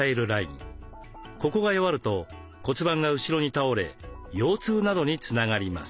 ここが弱ると骨盤が後ろに倒れ腰痛などにつながります。